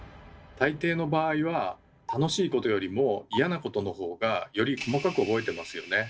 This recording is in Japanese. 大抵の場合は楽しいことよりも嫌なことの方がより細かく覚えてますよね？